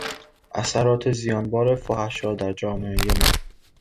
اثرات زیانبار فحشا در جامعهی ما